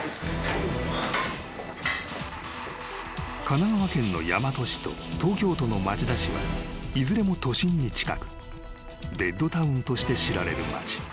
［神奈川県の大和市と東京都の町田市はいずれも都心に近くベッドタウンとして知られる町］